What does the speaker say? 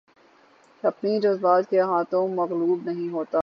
اپنے جذبات کے ہاتھوں مغلوب نہیں ہوتا